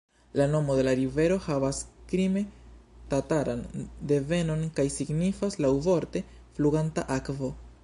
La nomo de la rivero havas krime-tataran devenon kaj signifas laŭvorte "fluganta akvo".